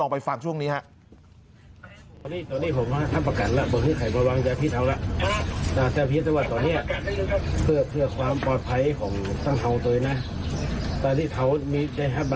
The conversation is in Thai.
ไปฟังช่วงนี้ครับ